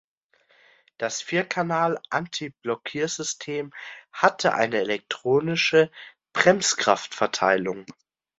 Das Vierkanal-Antiblockiersystem hatte eine elektronische Bremskraftverteilung.